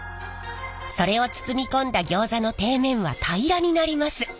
それを包み込んだギョーザの底面は平らになります。